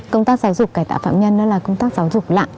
công tác giáo dục cải tạo phạm nhân đó là công tác giáo dục lạng